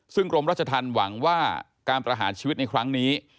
ซึ่งกรมราชธรรมหวังว่าการประหารชีวิตในครั้งนี้